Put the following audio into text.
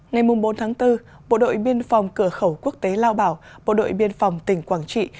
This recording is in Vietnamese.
ngày bốn tháng bốn bộ đội biên phòng cửa khẩu quốc tế lao bảo bộ đội biên phòng tỉnh quảng trị